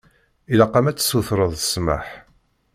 Ilaq-am ad tsutreḍ ssmaḥ.